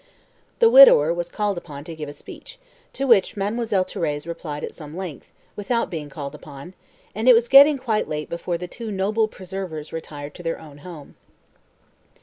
The widower was called upon to give a speech, to which Mademoiselle Thérèse replied at some length, without being called upon; and it was getting quite late before the two "noble preservers" retired to their own home.